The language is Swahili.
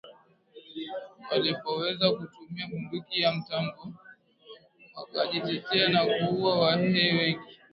walipoweza kutumia bunduki ya mtambo wakajitetea na kuua Wahehe wengi